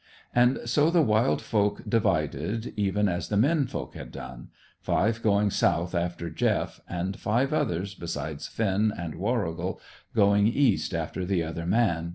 And so the wild folk divided, even as the men folk had done, five going south after Jeff, and five others, besides Finn and Warrigal, going east after the other man.